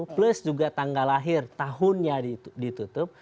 plus juga tanggal lahir tahunnya ditutup